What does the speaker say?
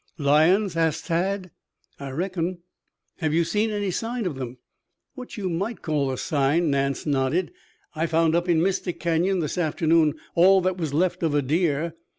"Lions?" asked Tad. "I reckon." "Have you seen any signs of them?" "What you might call a sign," Nance nodded. "I found, up in Mystic Canyon this afternoon, all that was left of a deer.